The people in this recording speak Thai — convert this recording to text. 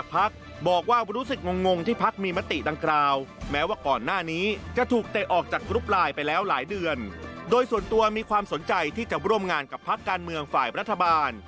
พร้อมงานกับภาคการเมืองฝ่ายรัฐบาล